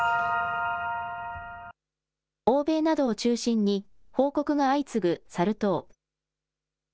欧米などを中心に報告が相次ぐサル痘。